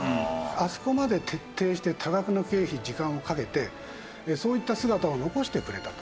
あそこまで徹底して多額の経費時間をかけてそういった姿を残してくれたと。